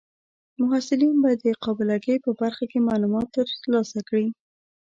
محصلین به د قابله ګۍ په برخه کې معلومات ترلاسه کړي.